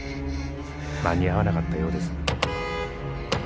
間に合わなかったようです。